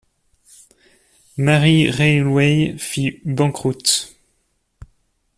Marie Railway fit banqueroute.